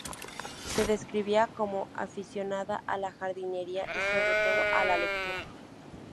Se describía como aficionada a la jardinería y sobre todo a la lectura.